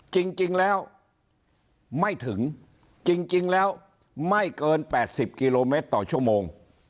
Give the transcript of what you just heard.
จริงจริงแล้วไม่ถึงจริงจริงแล้วไม่เกินแปดสิบเกลโมเมตรต่อชั่วโมง